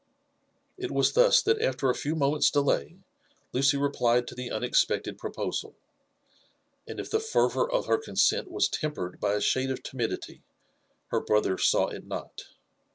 It was thus that, after a few moments' delay, Lucy replied to the unexpected proposal ; and if the fervour of her consent was tempered by a shade of timidity, her brother saw it not.